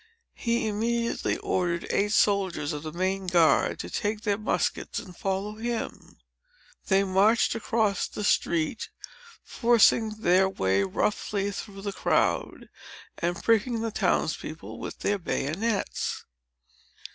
He immediately ordered eight soldiers of the main guard to take their muskets and follow him. They marched across the street, forcing their way roughly through the crowd, and pricking the town's people with their bayonets.